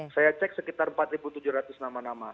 saya cek sekitar empat tujuh ratus nama nama